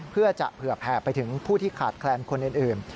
เพื่อจะเผื่อแผ่ไปถึงผู้ที่ขาดแคลนคนอื่น